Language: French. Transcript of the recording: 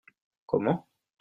Comment ?